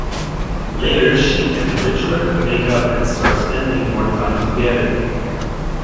Later she and Richard make up and start spending more time together.